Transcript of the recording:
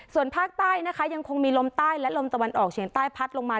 ส่วนภาคใต้นะคะยังคงมีลมใต้และลมตะวันออกเฉียงใต้พัดลงมา